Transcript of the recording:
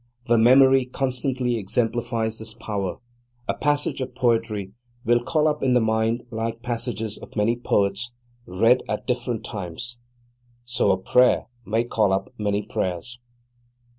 The memory constantly exemplifies this power; a passage of poetry will call up in the mind like passages of many poets, read at different times. So a prayer may call up many prayers.